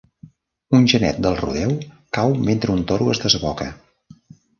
Un genet del rodeo cau mentre un toro es desboca.